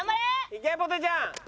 いけぽてちゃん！